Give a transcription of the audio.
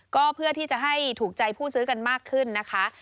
ก็เพื่อที่จะให้ถูกใจผู้ซื้อกันมากขึ้นนะคะ